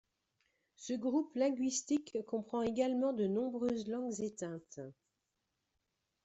Ce groupe linguistique comprend également de nombreuses langues éteintes.